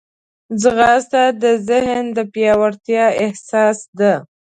ځغاسته د ذهن د پیاوړتیا اساس ده